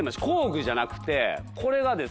工具じゃなくてこれが。